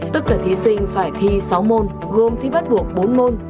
tức là thí sinh phải thi sáu môn gồm thi bắt buộc bốn môn